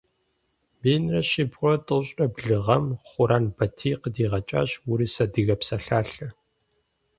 Минрэ щибгъурэ тӀощӀрэ блы гъэм Хъуран Батий къыдигъэкӀащ урыс-адыгэ псалъалъэ.